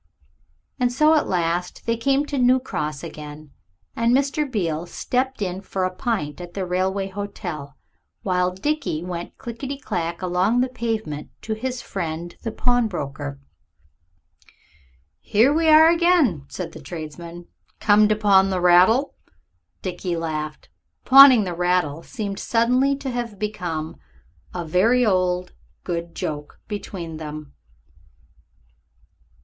And so at last they came to New Cross again, and Mr. Beale stepped in for half a pint at the Railway Hotel, while Dickie went clickety clack along the pavement to his friend the pawnbroker. "Here we are again," said that tradesman; "come to pawn the rattle?" Dickie laughed. Pawning the rattle seemed suddenly to have become a very old and good joke between them.